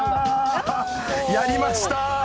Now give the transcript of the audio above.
やりました。